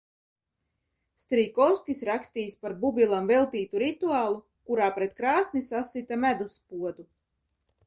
Strijkovskis rakstījis par Bubilam veltītu rituālu, kurā pret krāsni sasita medus podu.